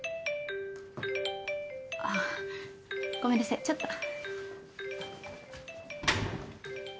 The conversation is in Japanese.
ああごめんなさいちょっと。